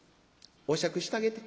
お酌してあげて。